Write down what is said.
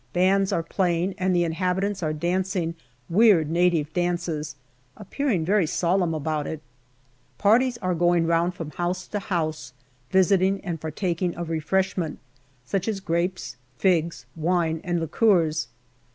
Bands are playing and the inhabitants are dancing weird native dances, appearing very solemn about it. Parties are going round from house to house, visiting and partaking of refreshment, SEPTEMBER 221 such as grapes, figs, wine and liqueurs.